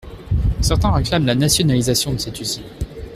Certains réclament la nationalisation de cette usine.